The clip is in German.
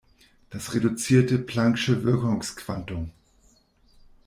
Das reduzierte plancksche Wirkungsquantum.